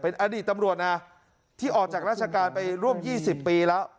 อดีตตำรวจนะที่ออกจากราชการไปร่วม๒๐ปีแล้ว